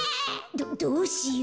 どどうしよう。